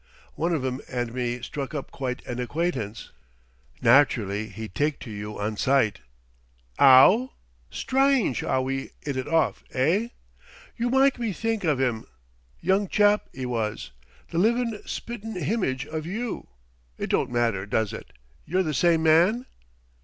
One of 'em and me struck up quite an acquaintance " "Naturally he'd take to you on sight." "Ow? Strynge 'ow we 'it it off, eigh?... You myke me think of 'im. Young chap, 'e was, the livin' spi't 'n himage of you. It don't happen, does it, you're the same man?"